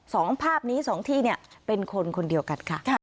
สองภาพนี้สองที่เนี่ยเป็นคนคนเดียวกันค่ะ